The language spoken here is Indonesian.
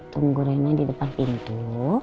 tunggu gorengan di depan pintu